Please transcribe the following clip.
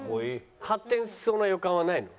発展しそうな予感はないの？